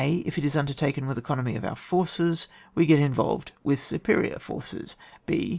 If it is undertaken with economy of our forces, we get involved with superior forces. {h.)